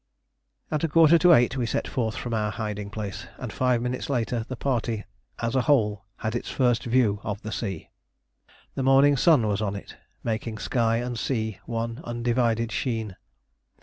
At a quarter to eight we set forth from our hiding place, and five minutes later the party as a whole had its first view of the sea. The morning sun was on it, making sky and sea one undivided sheen.